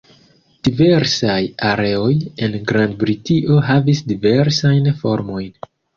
Diversaj areoj en Grand-Britio havis diversajn formojn.